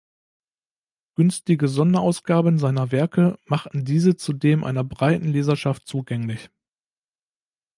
Günstige Sonderausgaben seiner Werke machten diese zudem einer breiten Leserschaft zugänglich.